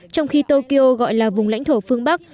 trong khi tokyo gọi là vùng lãnh thổ phương bắc